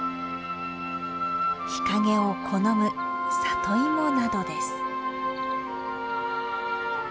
日陰を好む里芋などです。